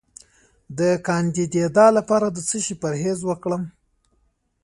د کاندیدا لپاره د څه شي پرهیز وکړم؟